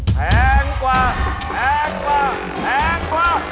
แพงกว่าแพงกว่าแพงกว่า